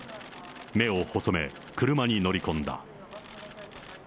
目を細め、車に乗り込んだ。